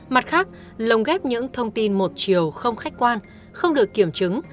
mặt khác lồng ghép những thông tin một chiều không khách quan không được kiểm chứng